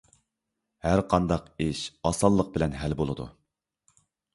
ھەر قانداق ئىش ئاسانلىق بىلەن ھەل بولىدۇ.